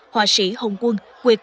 họa sĩ hồng quân quê quán ở an giang